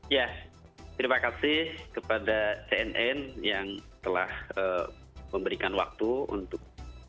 ya terima kasih kepada cnn yang telah memberikan waktu untuk